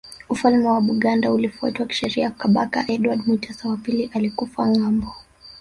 Ufalme wa Buganda ulifutwa kisheria Kabaka Edward Mutesa wa pili alikufa ngambo